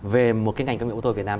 về một cái ngành công nghiệp ô tô việt nam